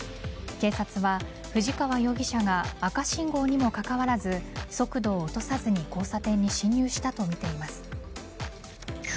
警察は藤川容疑者が赤信号にもかかわらず速度を落とさずに交差点に進入したとみています。